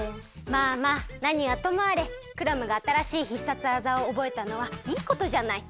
まあまあなにはともあれクラムがあたらしい必殺技をおぼえたのはいいことじゃない。